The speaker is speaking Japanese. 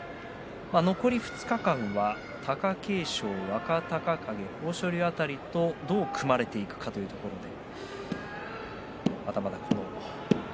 残り５日間は貴景勝、若隆景、豊昇龍辺りとどう組まれていくかということですね。